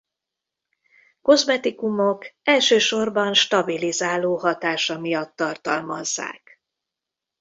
Kozmetikumok elsősorban stabilizáló hatása miatt tartalmazzák.